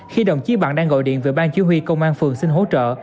khi đồng chí bằng đang gọi điện về bang chứ huy công an phường xin hỗ trợ